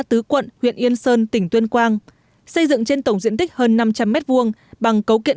tứ quận huyện yên sơn tỉnh tuyên quang xây dựng trên tổng diện tích hơn năm trăm linh m hai bằng cấu kiện